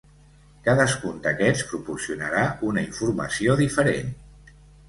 Cadascun d'aquests proporcionarà una informació diferent.